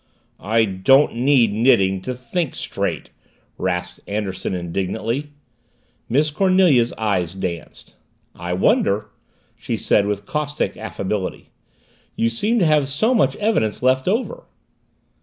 "I don't need knitting to think straight," rasped Anderson indignantly. Miss Cornelia's eyes danced. "I wonder!" she said with caustic affability. "You seem to have so much evidence left over."